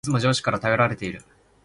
いつも上司から頼られている